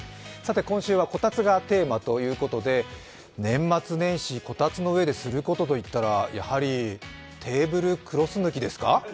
今週は、こたつがテーマということで、年末年始こたつの上ですることといったら、やはり、テーブルクロス抜きですか？